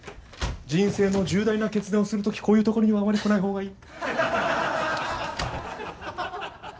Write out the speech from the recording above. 人生の重大な決断をするときこういう所にはあまり来ないほうがいい。